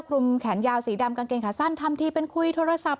คลุมแขนยาวสีดำกางเกงขาสั้นทำทีเป็นคุยโทรศัพท์